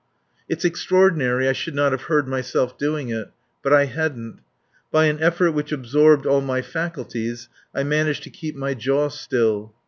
It's extraordinary I should not have heard myself doing it; but I hadn't. By an effort which absorbed all my faculties I managed to keep my jaw still.